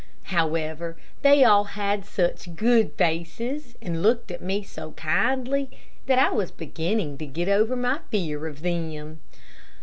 However, they all had such good faces, and looked at me so kindly, that I was beginning to get over my fear of them.